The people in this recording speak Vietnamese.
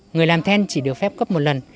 người làm then chỉ được phép cấp một lần